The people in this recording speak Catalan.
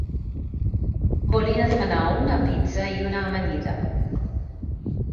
Volia demanar una pizza i una amanida.